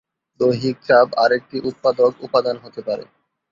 দৈহিক চাপ আরেকটি উৎপাদক উপাদান হতে পারে।